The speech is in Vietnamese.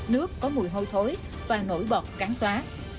nước có mùi hôi thối và nổi bọt cán xóa